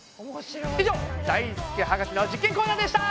以上だいすけ博士の実験コーナーでした！